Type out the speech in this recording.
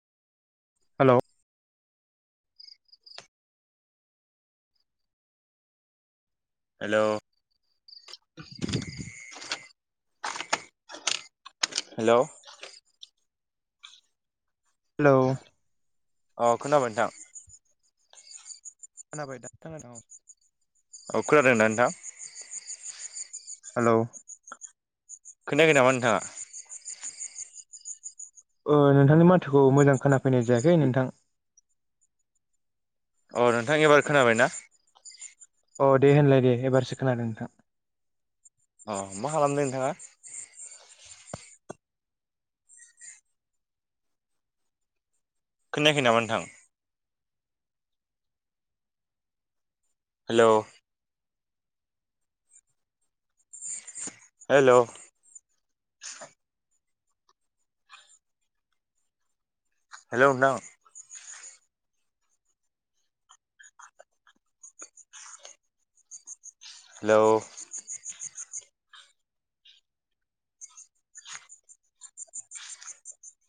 Hello hello hello hello अ खोनाबाय नोंथां। खानाबाय दा थाङा द [unintelligible] औ औ खोनादोंना नोंथां। हालौ खोनायाखै नामा नोंथाङा। ओ नोंथांनि माथोखौ मोजां खोनाफैनाय जायाखै नोंथां। अ नोंथां एबार खोनाबाय ना। अ दे होनलाय दे एबारसो खोनादों नोंथां। अ मा खालामदों नोंथाङा। खोनायाखै नामा नोंथां। हेलौ हेलौ हेलौ नोंथां। हेलौ